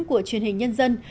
của truyền hình nhân dân